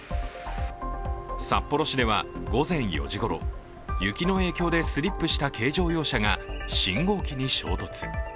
札幌市では午前４時ごろ、雪の影響でスリップした軽乗用車が信号機に衝突。